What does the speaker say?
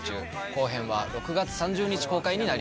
後編は６月３０日公開になります。